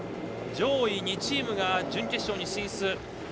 上位２チームが準決勝に進出。